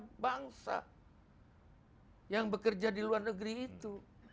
pahlawan bangsa yang bekerja di luar negeri itu